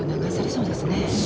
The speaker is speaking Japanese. そうですね。